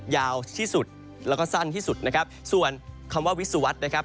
ยาวที่สุดแล้วก็สั้นที่สุดนะครับส่วนคำว่าวิศวรรษนะครับ